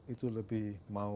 itu lebih mau